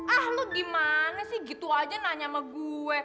ah lu gimana sih gitu aja nanya sama gue